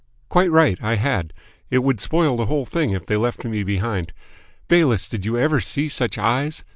"Quite right, I had. It would spoil the whole thing if they left me behind. Bayliss, did you ever see such eyes?